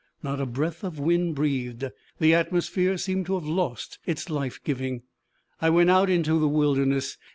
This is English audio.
Not a breath of wind breathed; the atmosphere seemed to have lost its life giving. I went out into the wilderness.